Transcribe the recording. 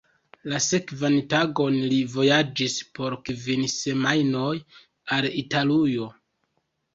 La sekvan tagon li vojaĝis por kvin semajnoj al Italujo.